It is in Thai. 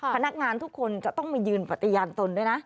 พนักงานทุกคนจะต้องมายืนปฏิญาณตนด้วยนะ